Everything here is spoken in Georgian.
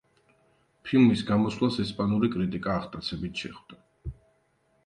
ფილმის გამოსვლას ესპანური კრიტიკა აღტაცებით შეხვდა.